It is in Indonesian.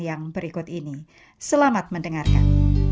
yang berikut ini selamat mendengarkan